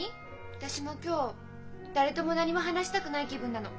私も今日誰とも何も話したくない気分なの。